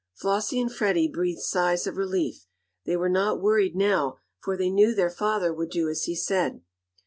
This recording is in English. Flossie and Freddie breathed sighs of relief. They were not worried now, for they knew their father would do as he said.